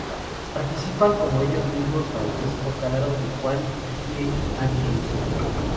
Participan como ellos mismos Francisco Canaro y Juan D'Arienzo.